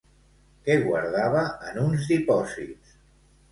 Què guardava en uns dipòsits?